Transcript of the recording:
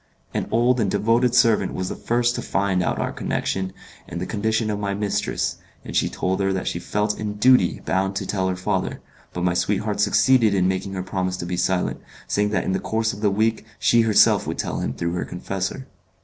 An old and devoted servant was the first to find out our connection and the condition of my mistress, and she told her that she felt in duty bound to tell her father, but my sweetheart succeeded in making her promise to be silent, saying that in the course of the week she herself would tell him through her confessor.